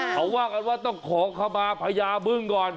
เขาว่ากันว่าต้องขอเข้ามาพญาบึ้งก่อน